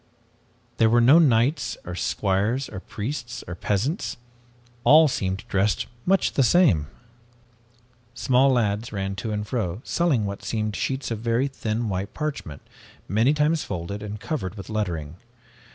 There were no knights or squires, or priests or peasants. All seemed dressed much the same. "Small lads ran to and fro selling what seemed sheets of very thin white parchment, many times folded and covered with lettering.